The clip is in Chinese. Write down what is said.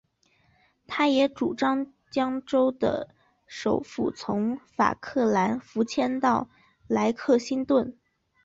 他也主张将州的首府从法兰克福迁到莱克星顿。